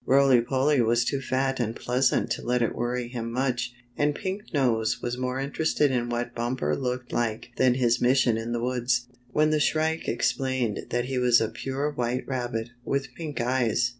Roily Polly was too fat and pleasant to let it worry him much, and Pink Nose was more interested in what Bumper looked like than his mission in the woods. When the Shrike explained that he was a pure white rabbit, with pink eyes.